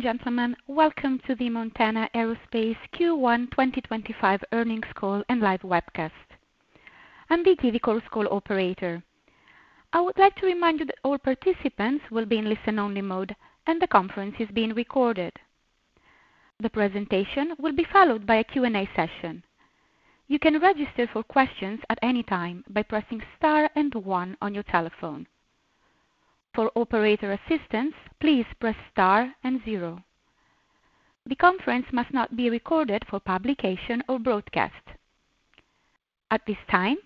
Gentlemen, welcome to the Montana Aerospace Q1 2025 earnings call and live webcast. I'm the TV Corps call operator. I would like to remind you that all participants will be in listen-only mode and the conference is being recorded. The presentation will be followed by a Q&A session. You can register for questions at any time by pressing star and one on your telephone. For operator assistance, please press star and zero. The conference must not be recorded for publication or broadcast. At this time,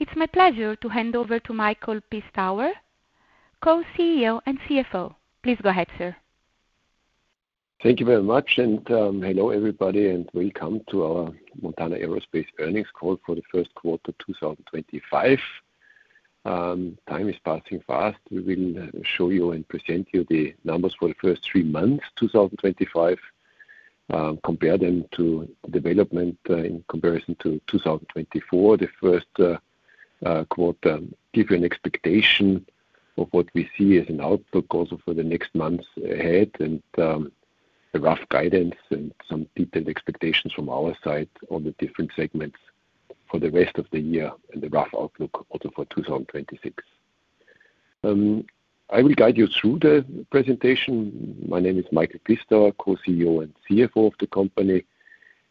it's my pleasure to hand over to Michael Pistauer, Co-CEO and CFO. Please go ahead, sir. Thank you very much, and hello everybody, and welcome to our Montana Aerospace earnings call for the first quarter 2025. Time is passing fast. We will show you and present you the numbers for the first three months 2025, compare them to development in comparison to 2024, the first quarter, give you an expectation of what we see as an outlook also for the next months ahead, and a rough guidance and some detailed expectations from our side on the different segments for the rest of the year and the rough outlook also for 2026. I will guide you through the presentation. My name is Michael Pistauer, Co-CEO and CFO of the company.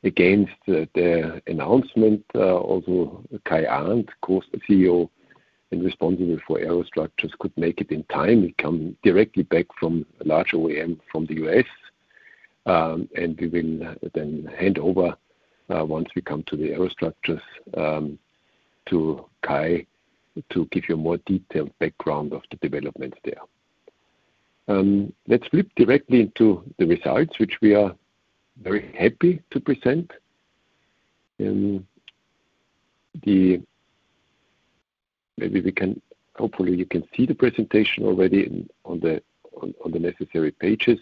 Against the announcement, also Kai Arndt, CEO and responsible for Aerostructures, could make it in time. We come directly back from a large OEM from the U.S., and we will then hand over once we come to the Aerostructures to Kai to give you a more detailed background of the developments there. Let's flip directly into the results, which we are very happy to present. Maybe we can, hopefully you can see the presentation already on the necessary pages.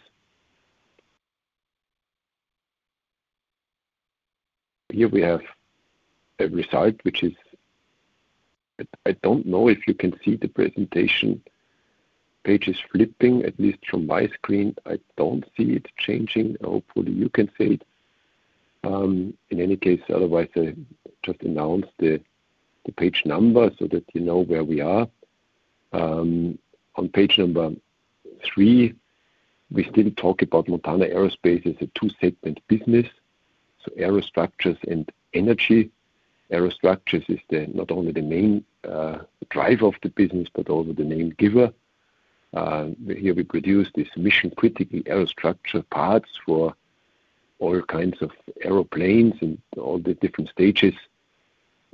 Here we have a result, which is, I don't know if you can see the presentation pages flipping, at least from my screen. I don't see it changing. Hopefully you can see it. In any case, otherwise, I just announce the page number so that you know where we are. On page number three, we still talk about Montana Aerospace as a two-segment business. So Aerostructures and energy. Aerostructures is not only the main driver of the business, but also the name giver. Here we produce these mission-critical AeroStructures parts for all kinds of aeroplanes and all the different stages.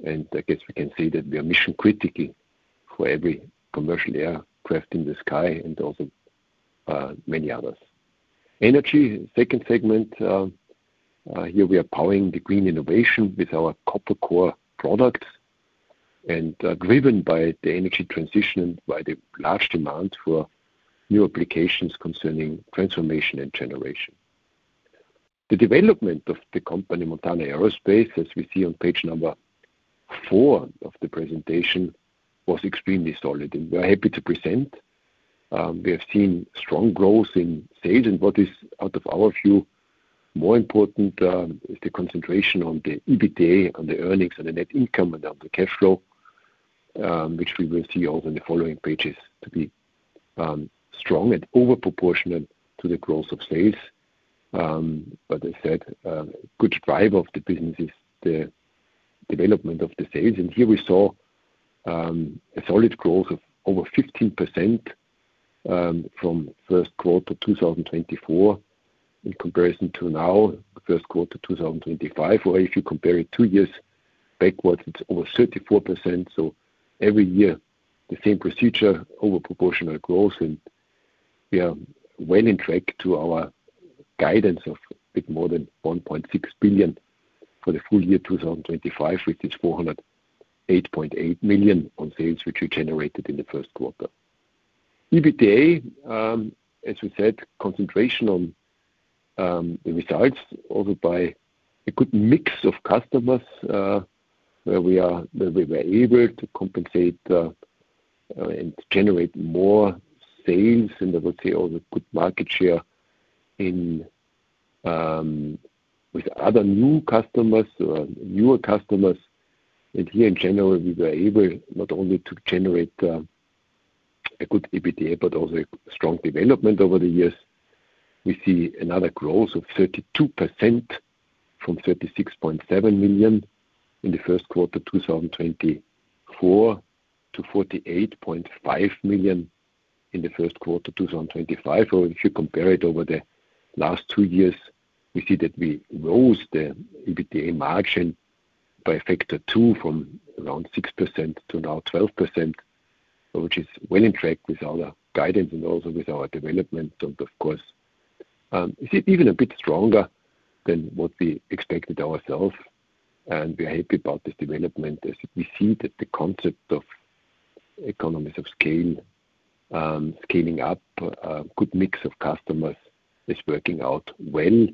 I guess we can see that we are mission-critical for every commercial aircraft in the sky and also many others. Energy, second segment. Here we are powering the green innovation with our copper core products and driven by the energy transition and by the large demand for new applications concerning transformation and generation. The development of the company Montana Aerospace, as we see on page number four of the presentation, was extremely solid, and we are happy to present. We have seen strong growth in sales, and what is, out of our view, more important is the concentration on the EBITDA, on the earnings, on the net income, and on the cash flow, which we will see also in the following pages to be strong and overproportional to the growth of sales. As I said, good drive of the business is the development of the sales. Here we saw a solid growth of over 15% from first quarter 2024 in comparison to now, first quarter 2025, or if you compare it two years backwards, it is over 34%. Every year the same procedure, overproportional growth, and we are well in track to our guidance of a bit more than $1.6 billion for the full year 2025, which is $408.8 million on sales, which we generated in the first quarter. EBITDA, as we said, concentration on the results also by a good mix of customers where we were able to compensate and generate more sales and I would say also good market share with other new customers or newer customers. Here in general, we were able not only to generate a good EBITDA, but also a strong development over the years. We see another growth of 32% from $36.7 million in the first quarter 2024 to $48.5 million in the first quarter 2025. If you compare it over the last two years, we see that we rose the EBITDA margin by a factor two from around 6% to now 12%, which is well in track with our guidance and also with our development. It is even a bit stronger than what we expected ourselves. We are happy about this development as we see that the concept of economies of scale, scaling up, a good mix of customers is working out well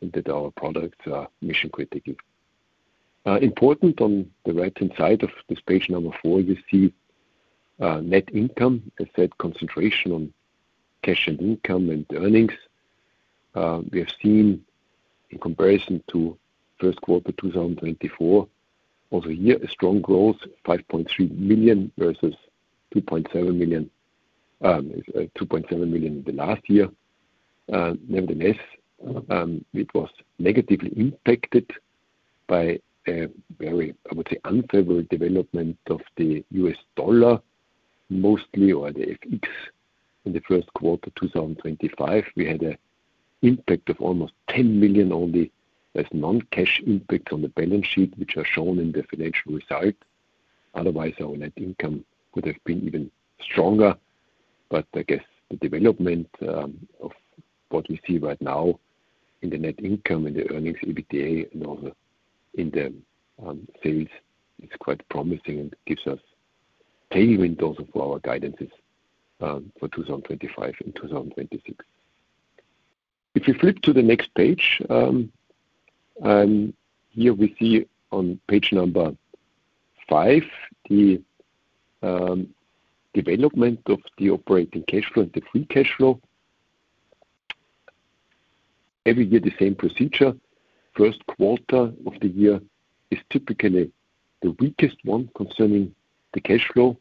and that our products are mission-critical. Important on the right-hand side of this page number four, we see net income, as I said, concentration on cash and income and earnings. We have seen in comparison to first quarter 2024, also here a strong growth, $5.3 million versus $2.7 million in the last year. Nevertheless, it was negatively impacted by a very, I would say, unfavorable development of the U.S. dollar mostly, or the FX in the first quarter 2025. We had an impact of almost $10 million only as non-cash impacts on the balance sheet, which are shown in the financial results. Otherwise, our net income would have been even stronger. I guess the development of what we see right now in the net income, in the earnings, EBITDA, and also in the sales is quite promising and gives us tailwind also for our guidances for 2025 and 2026. If you flip to the next page, here we see on page number five, the development of the operating cash flow and the free cash flow. Every year the same procedure. First quarter of the year is typically the weakest one concerning the cash flow.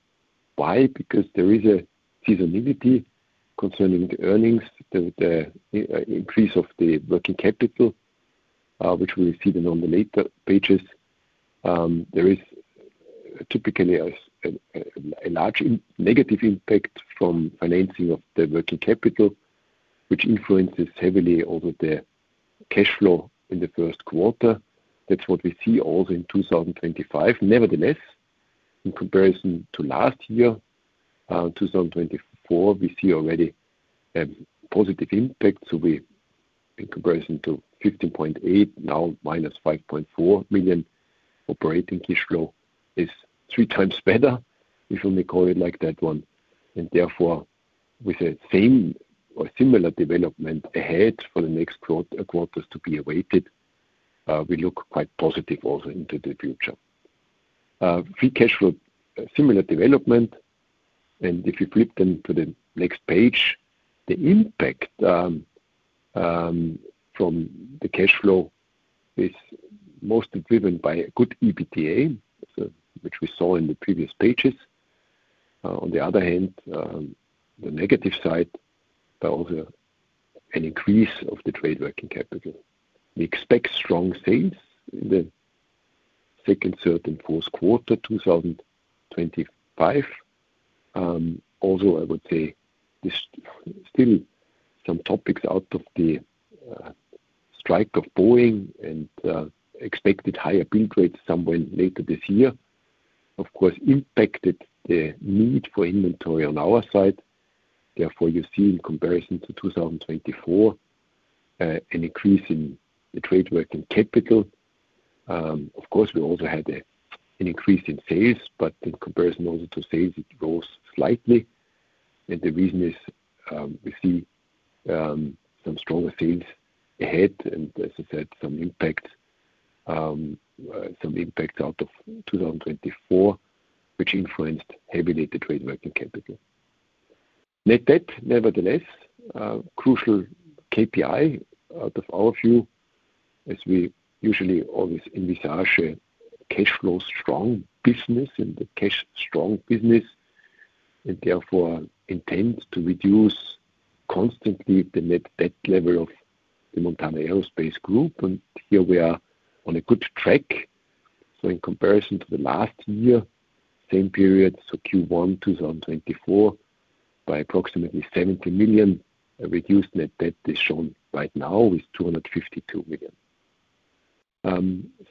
Why? Because there is a seasonality concerning the earnings, the increase of the working capital, which we will see on the later pages. There is typically a large negative impact from financing of the working capital, which influences heavily over the cash flow in the first quarter. That is what we see also in 2025. Nevertheless, in comparison to last year, 2024, we see already a positive impact. In comparison to $15.8 million, now -$5.4 million operating cash flow is 3x better, if we may call it like that one. Therefore, with the same or similar development ahead for the next quarters to be awaited, we look quite positive also into the future. Free cash flow, similar development. If you flip then to the next page, the impact from the cash flow is mostly driven by a good EBITDA, which we saw in the previous pages. On the other hand, the negative side by also an increase of the trade working capital. We expect strong sales in the second, third, and fourth quarter 2025. Also, I would say there are still some topics out of the strike of Boeing and expected higher build rates somewhere later this year, of course, impacted the need for inventory on our side. Therefore, you see in comparison to 2024, an increase in the trade working capital. Of course, we also had an increase in sales, but in comparison also to sales, it rose slightly. The reason is we see some stronger sales ahead and, as I said, some impacts out of 2024, which influenced heavily the trade working capital. Net debt, nevertheless, crucial KPI out of our view, as we usually always envisage a cash flow strong business and a cash strong business, and therefore intend to reduce constantly the net debt level of the Montana Aerospace Group. Here we are on a good track. In comparison to the last year, same period, so Q1 2024, by approximately $70 million, a reduced net debt is shown right now is $252 million.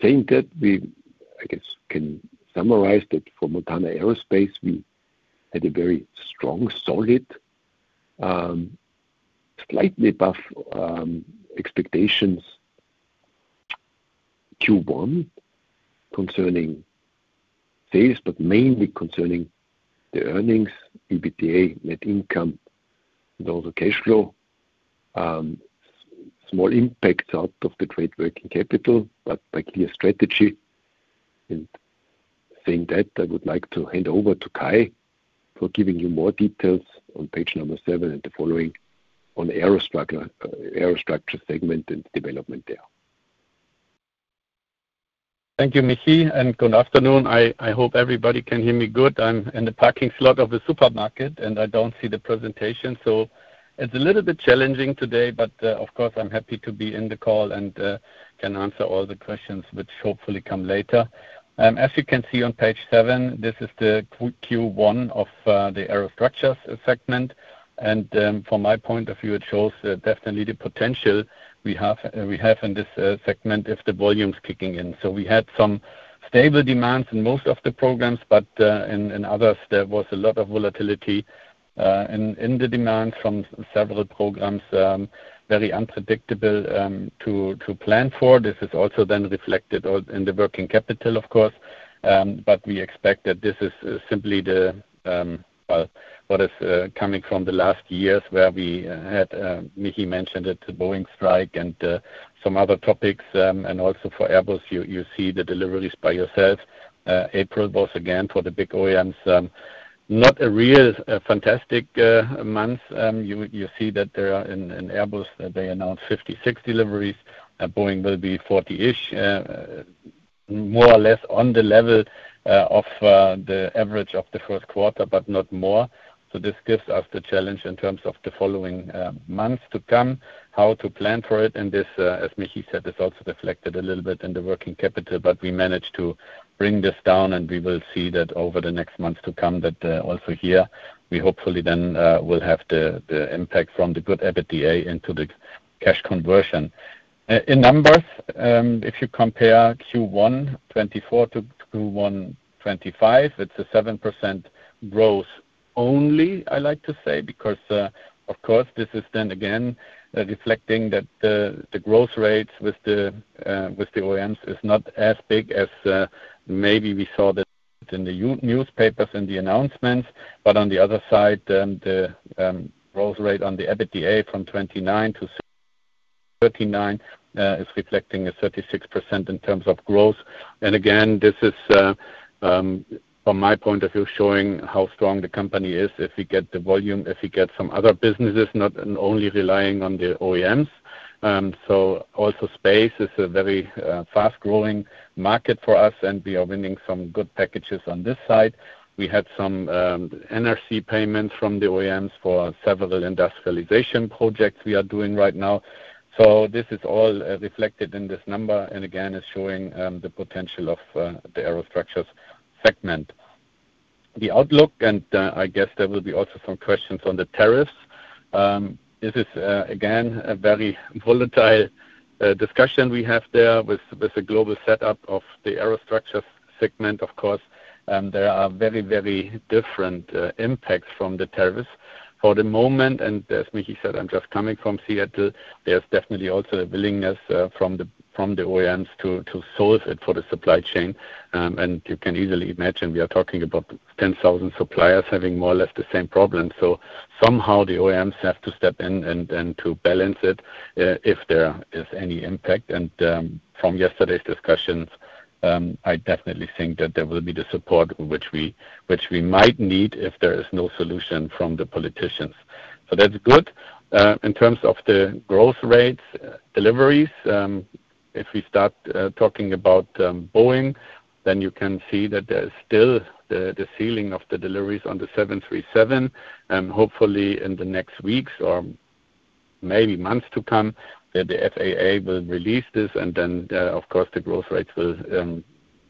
Saying that, I guess can summarize that for Montana Aerospace, we had a very strong, solid, slightly above expectations Q1 concerning sales, but mainly concerning the earnings, EBITDA, net income, and also cash flow. Small impacts out of the trade working capital, but by clear strategy. Saying that, I would like to hand over to Kai for giving you more details on page number seven and the following on AeroStructures segment and development there. Thank you, Michael, and good afternoon. I hope everybody can hear me good. I'm in the parking slot of the supermarket, and I don't see the presentation. It is a little bit challenging today, but of course, I'm happy to be in the call and can answer all the questions, which hopefully come later. As you can see on page seven, this is the Q1 of the Aerostructures segment. From my point of view, it shows definitely the potential we have in this segment if the volume's kicking in. We had some stable demands in most of the programs, but in others, there was a lot of volatility in the demands from several programs, very unpredictable to plan for. This is also then reflected in the working capital, of course. We expect that this is simply the, well, what is coming from the last years where we had, Michael mentioned it, the Boeing strike and some other topics. Also for Airbus, you see the deliveries by yourself. April was, again, for the big OEMs, not a real fantastic month. You see that in Airbus, they announced 56 deliveries. Boeing will be 40-ish, more or less on the level of the average of the first quarter, but not more. This gives us the challenge in terms of the following months to come, how to plan for it. This, as Michael said, is also reflected a little bit in the working capital, but we managed to bring this down, and we will see that over the next months to come that also here we hopefully then will have the impact from the good EBITDA into the cash conversion. In numbers, if you compare Q1 2024 to Q1 2025, it's a 7% growth only, I like to say, because, of course, this is then again reflecting that the growth rates with the OEMs is not as big as maybe we saw it in the newspapers and the announcements. On the other side, the growth rate on the EBITDA from $29 million to $39 million is reflecting a 36% in terms of growth. Again, this is, from my point of view, showing how strong the company is if we get the volume, if we get some other businesses not only relying on the OEMs. Also, space is a very fast-growing market for us, and we are winning some good packages on this side. We had some NRC payments from the OEMs for several industrialization projects we are doing right now. This is all reflected in this number, and again, is showing the potential of the Aerostructures segment. The outlook, and I guess there will be also some questions on the tariffs. This is, again, a very volatile discussion we have there with the global setup of the Aerostructures segment. Of course, there are very, very different impacts from the tariffs. For the moment, and as Michael said, I'm just coming from Seattle, there is definitely also a willingness from the OEMs to solve it for the supply chain. You can easily imagine we are talking about 10,000 suppliers having more or less the same problem. Somehow the OEMs have to step in and to balance it if there is any impact. From yesterday's discussions, I definitely think that there will be the support which we might need if there is no solution from the politicians. That's good. In terms of the growth rates, deliveries, if we start talking about Boeing, then you can see that there is still the ceiling of the deliveries on the 737. Hopefully, in the next weeks or maybe months to come, the FAA will release this, and then, of course, the growth rates will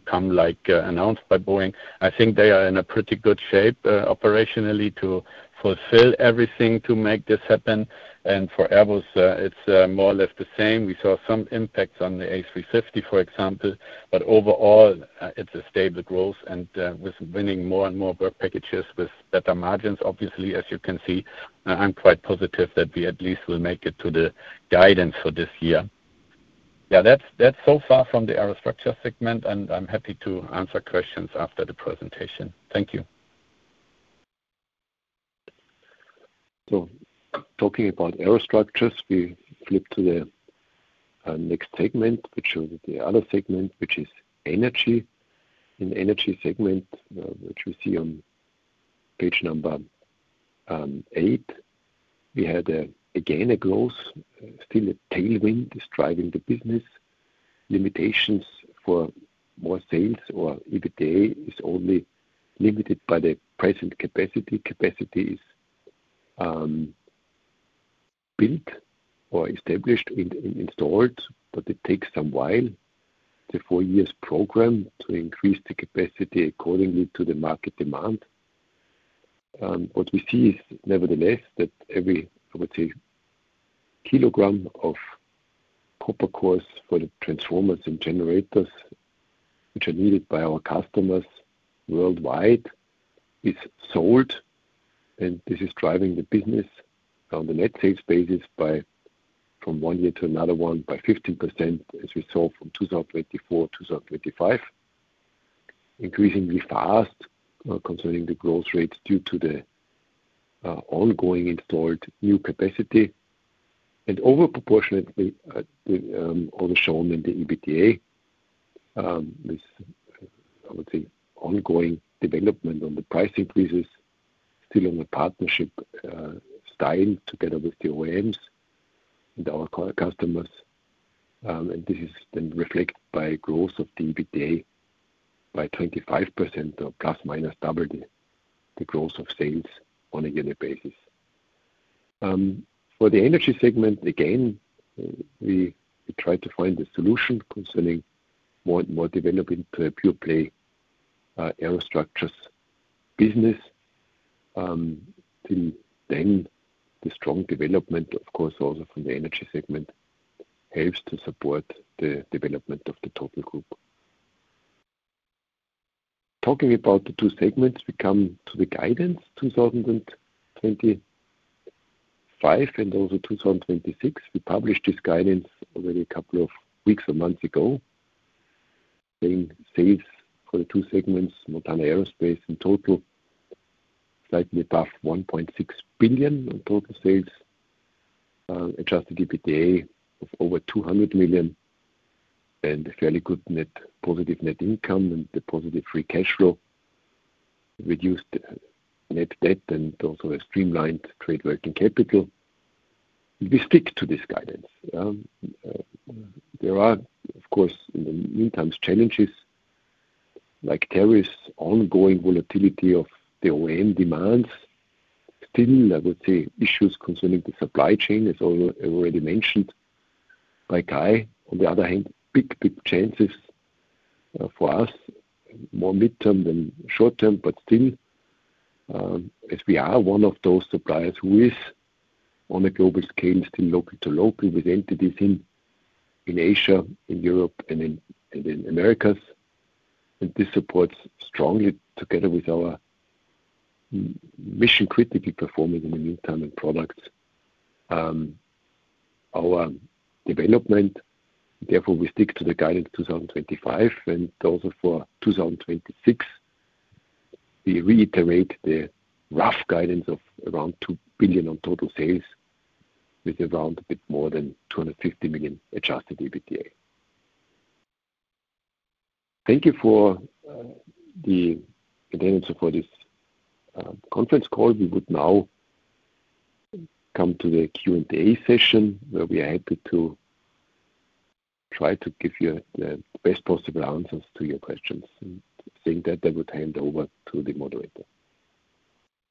come like announced by Boeing. I think they are in a pretty good shape operationally to fulfill everything to make this happen. For Airbus, it's more or less the same. We saw some impacts on the A350, for example, but overall, it's a stable growth and with winning more and more work packages with better margins, obviously, as you can see. I'm quite positive that we at least will make it to the guidance for this year. Yeah, that's so far from the AeroStructures segment, and I'm happy to answer questions after the presentation. Thank you. Talking about AeroStructuress, we flip to the next segment, which is the other segment, which is energy. In the energy segment, which we see on page number eight, we had again a growth, still a tailwind is driving the business. Limitations for more sales or EBITDA is only limited by the present capacity. Capacity is built or established and installed, but it takes some while, the four-year program, to increase the capacity accordingly to the market demand. What we see is, nevertheless, that every, I would say, kilogram of copper core products for the transformers and generators, which are needed by our customers worldwide, is sold. This is driving the business on the net sales basis from one year to another one by 15%, as we saw from 2024 to 2025, increasingly fast concerning the growth rates due to the ongoing installed new capacity. Overproportionately, also shown in the EBITDA, this, I would say, ongoing development on the price increases, still on the partnership style together with the OEMs and our customers. This is then reflected by growth of the EBITDA by 25% or plus minus double the growth of sales on a yearly basis. For the energy segment, again, we tried to find a solution concerning more and more developing to a pure-play Aerostructures business. The strong development, of course, also from the energy segment helps to support the development of the total group. Talking about the two segments, we come to the guidance 2025 and also 2026. We published this guidance already a couple of weeks or months ago, saying sales for the two segments, Montana Aerospace in total, slightly above $1.6 billion in total sales, adjusted EBITDA of over $200 million, and a fairly good net positive net income and the positive free cash flow, reduced net debt, and also a streamlined trade working capital. We stick to this guidance. There are, of course, in the meantime, challenges like tariffs, ongoing volatility of the OEM demands, still, I would say, issues concerning the supply chain, as already mentioned by Kai. On the other hand, big, big chances for us, more midterm than short term, but still, as we are one of those suppliers who is on a global scale, still local to local with entities in Asia, in Europe, and in the Americas. This supports strongly together with our mission-critical performance in the meantime and products, our development. Therefore, we stick to the guidance 2025, and also for 2026, we reiterate the rough guidance of around $2 billion on total sales with around a bit more than $250 million adjusted EBITDA. Thank you for the attendance for this conference call. We would now come to the Q&A session where we are happy to try to give you the best possible answers to your questions. Saying that, I would hand over to the moderator.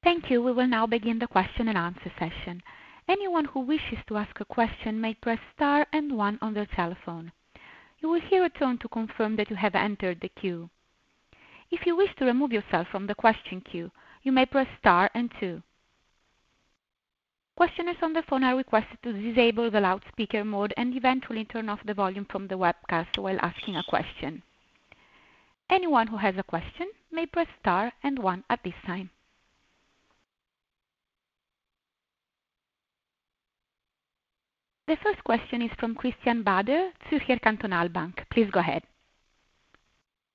Thank you. We will now begin the question and answer session. Anyone who wishes to ask a question may press star and one on their telephone. You will hear a tone to confirm that you have entered the queue. If you wish to remove yourself from the question queue, you may press star and two. Questioners on the phone are requested to disable the loudspeaker mode and eventually turn off the volume from the webcast while asking a question. Anyone who has a question may press star and one at this time. The first question is from Christian Bader, Zürcher Kantonalbank. Please go ahead.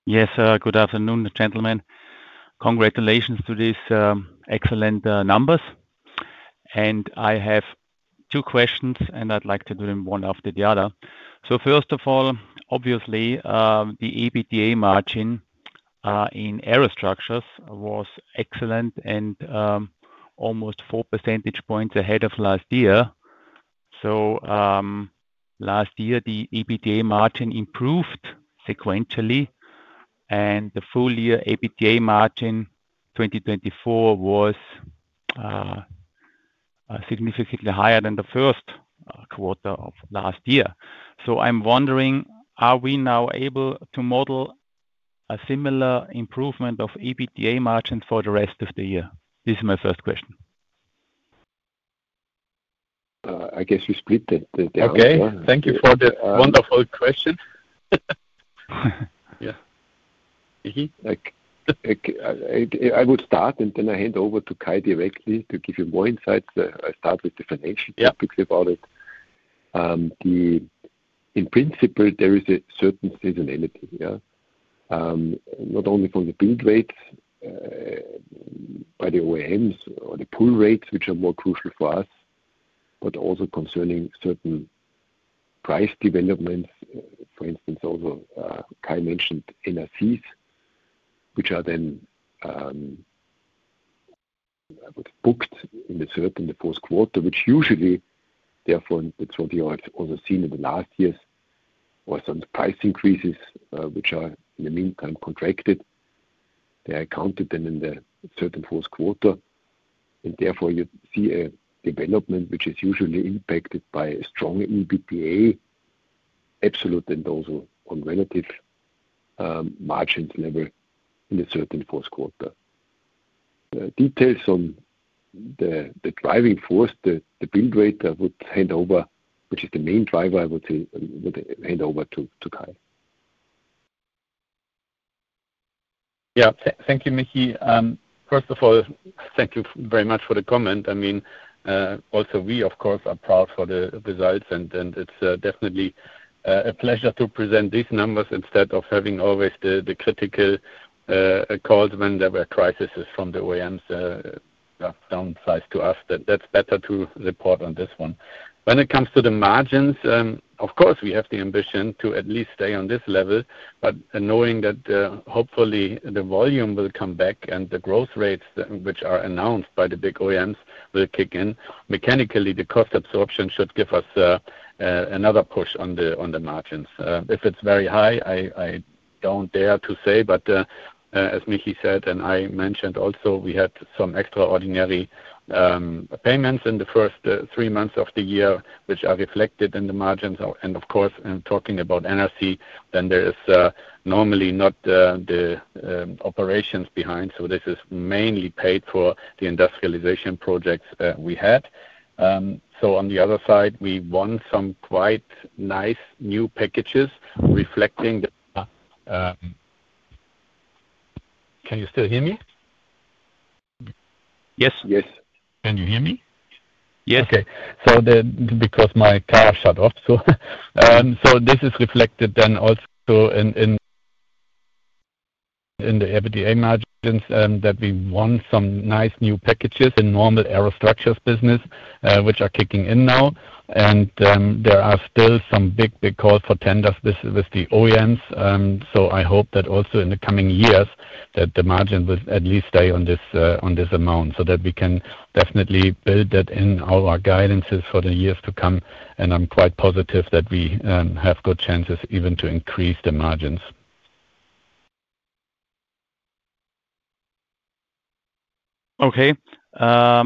Yes, good afternoon, gentlemen. Congratulations to these excellent numbers. I have two questions, and I'd like to do them one after the other. First of all, obviously, the EBITDA margin in Aerostructures was excellent and almost 4 percentage points ahead of last year. Last year, the EBITDA margin improved sequentially, and the full-year EBITDA margin 2024 was significantly higher than the first quarter of last year. I'm wondering, are we now able to model a similar improvement of EBITDA margin for the rest of the year? This is my first question. I guess we split the answer. Okay. Thank you for the wonderful question. Yeah. I would start, and then I hand over to Kai directly to give you more insights. I'll start with the financial topics about it. In principle, there is a certain seasonality, not only from the build rates by the OEMs or the pool rates, which are more crucial for us, but also concerning certain price developments. For instance, also Kai mentioned NRCs, which are then booked in the third and the fourth quarter, which usually, therefore, the 20 years also seen in the last years or some price increases, which are in the meantime contracted. They are accounted then in the third and fourth quarter. Therefore, you see a development which is usually impacted by a strong EBITDA, absolute and also on relative margins level in the third and fourth quarter. Details on the driving force, the build rate, I would hand over, which is the main driver, I would hand over to Kai. Yeah. Thank you, Michael. First of all, thank you very much for the comment. I mean, also we, of course, are proud for the results, and it's definitely a pleasure to present these numbers instead of having always the critical calls when there were crises from the OEMs downsized to us. That's better to report on this one. When it comes to the margins, of course, we have the ambition to at least stay on this level, but knowing that hopefully the volume will come back and the growth rates, which are announced by the big OEMs, will kick in. Mechanically, the cost absorption should give us another push on the margins. If it's very high, I don't dare to say, but as Michael said and I mentioned also, we had some extraordinary payments in the first three months of the year, which are reflected in the margins. Of course, talking about NRC, then there is normally not the operations behind. This is mainly paid for the industrialization projects we had. On the other side, we won some quite nice new packages reflecting the. Can you still hear me? Yes. Yes. Can you hear me? Yes. Okay. Because my car shut off. This is reflected then also in the EBITDA margins that we won some nice new packages in normal Aerostructures business, which are kicking in now. There are still some big, big calls for tenders with the OEMs. I hope that also in the coming years, the margin will at least stay on this amount so that we can definitely build that in our guidances for the years to come. I am quite positive that we have good chances even to increase the margins. Okay. I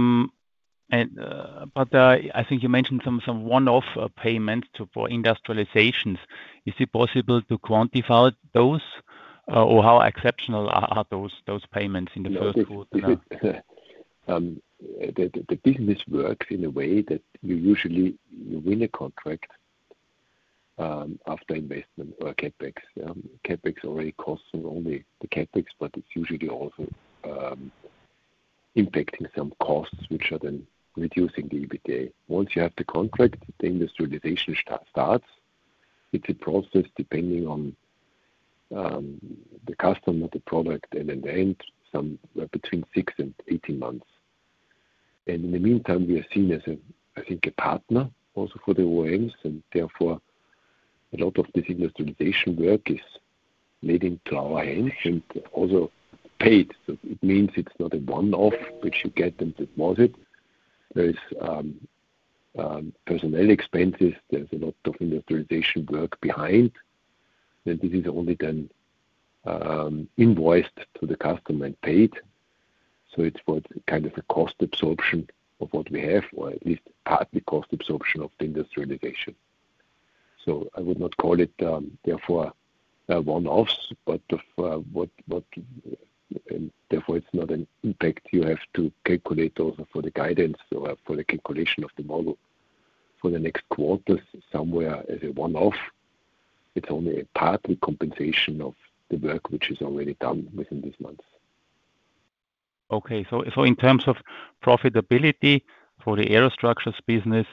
think you mentioned some one-off payments for industrializations. Is it possible to quantify those, or how exceptional are those payments in the first quarter? The business works in a way that you usually win a contract after investment or CapEx. CapEx already costs not only the CapEx, but it is usually also impacting some costs, which are then reducing the EBITDA. Once you have the contract, the industrialization starts. It is a process depending on the customer, the product, and in the end, some between 6 and 18 months. In the meantime, we are seen as, I think, a partner also for the OEMs. Therefore, a lot of this industrialization work is made into our hands and also paid. It means it is not a one-off, which you get and deposit. There is personnel expenses. There is a lot of industrialization work behind. This is only then invoiced to the customer and paid. It is kind of a cost absorption of what we have, or at least partly cost absorption of the industrialization. I would not call it, therefore, one-offs, but therefore, it's not an impact. You have to calculate also for the guidance or for the calculation of the model for the next quarters somewhere as a one-off. It's only a partly compensation of the work, which is already done within these months. Okay. So in terms of profitability for the Aerostructures business,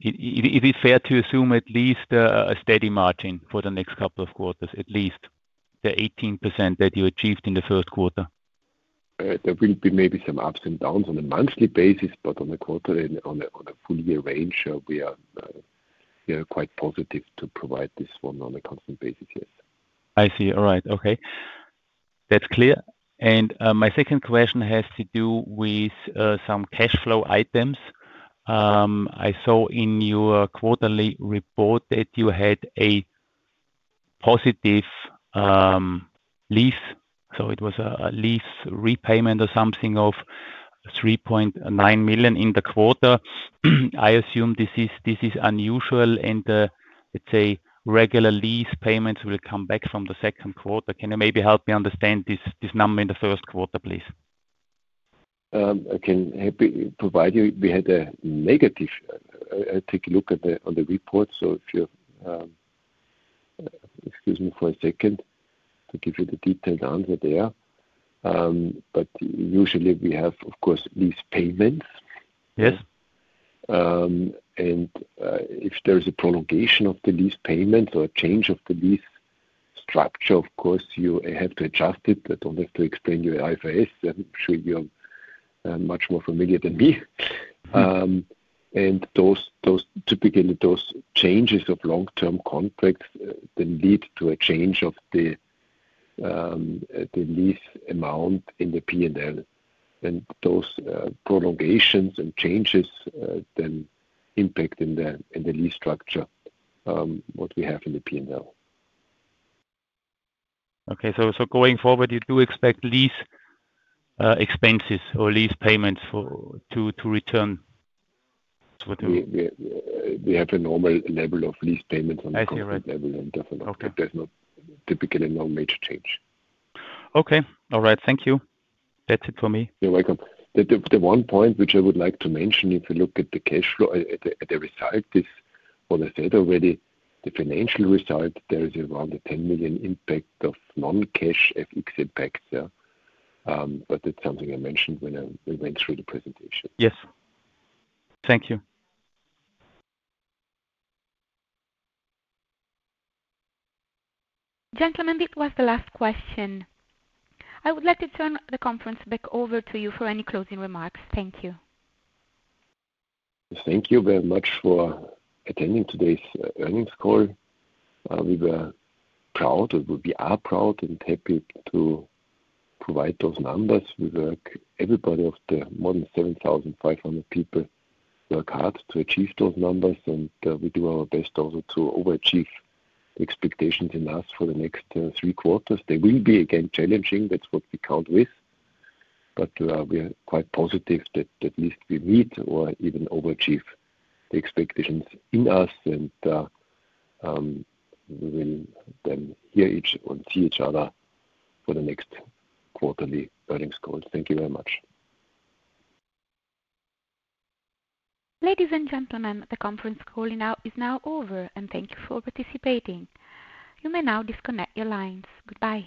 is it fair to assume at least a steady margin for the next couple of quarters, at least the 18% that you achieved in the first quarter? There will be maybe some ups and downs on a monthly basis, but on a quarterly, on a full-year range, we are quite positive to provide this one on a constant basis, yes. I see. All right. Okay. That's clear. My second question has to do with some cash flow items. I saw in your quarterly report that you had a positive lease, so it was a lease repayment or something of $3.9 million in the quarter. I assume this is unusual, and let's say regular lease payments will come back from the second quarter. Can you maybe help me understand this number in the first quarter, please? I can happily provide you. We had a negative. Take a look at the report. If you excuse me for a second to give you the detailed answer there. Usually, we have, of course, lease payments. Yes. If there is a prolongation of the lease payments or a change of the lease structure, of course, you have to adjust it. I do not have to explain you IFRS. I am sure you are much more familiar than me. Typically, those changes of long-term contracts then lead to a change of the lease amount in the P&L. Those prolongations and changes then impact in the lease structure what we have in the P&L. Okay. So going forward, you do expect lease expenses or lease payments to return? We have a normal level of lease payments on a quarterly level, and there's typically no major change. Okay. All right. Thank you. That's it for me. You're welcome. The one point which I would like to mention, if you look at the cash flow, at the result, is what I said already. The financial result, there is around a $10 million impact of non-cash FX impacts. That's something I mentioned when we went through the presentation. Yes. Thank you. Gentlemen, this was the last question. I would like to turn the conference back over to you for any closing remarks. Thank you. Thank you very much for attending today's earnings call. We were proud, or we are proud and happy to provide those numbers. Everybody of the more than 7,500 people worked hard to achieve those numbers, and we do our best also to overachieve expectations in us for the next three quarters. They will be, again, challenging. That is what we count with. We are quite positive that at least we meet or even overachieve the expectations in us, and we will then hear each and see each other for the next quarterly earnings call. Thank you very much. Ladies and gentlemen, the conference call is now over, and thank you for participating. You may now disconnect your lines. Goodbye.